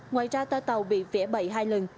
ngoài ra toa tàu bị vẽ bậy hai lần